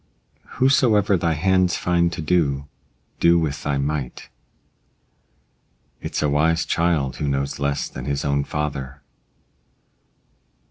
Whosoever thy hands find to do, do with thy might. It's a wise child who knows less than his own father.